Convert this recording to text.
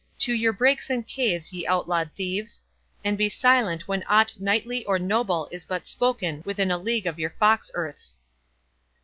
To your brakes and caves, ye outlawed thieves! and be silent when aught knightly or noble is but spoken within a league of your fox earths."